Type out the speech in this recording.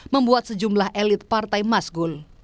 membuat sejumlah elit partai masgul